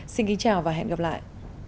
xin kính chào và hẹn gặp lại